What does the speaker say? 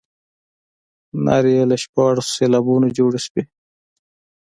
نارې له شپاړسو سېلابونو جوړې شوې.